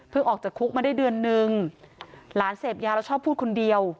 ออกจากคุกมาได้เดือนนึงหลานเสพยาแล้วชอบพูดคนเดียว